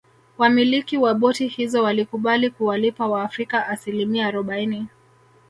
Wamiliki wa boti hizo walikubali kuwalipa waafrika asimilia arobaini